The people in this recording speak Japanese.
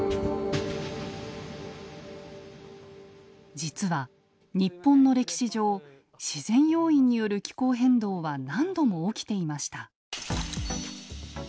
実は日本の歴史上自然要因による気候変動は何度も起きていました。